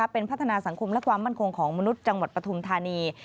เป็นพัฒนาสังคมและความมั่นคงของมนุษย์จังหวัดปฐุมธานี